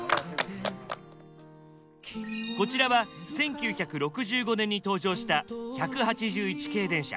こちらは１９６５年に登場した１８１系電車。